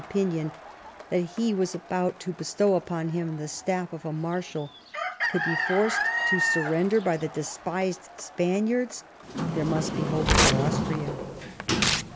opinion that he was about to bestow upon hiui the staff of a Marshal, could be forced to surrender by the despised Spaniards, there must be hope for Austria.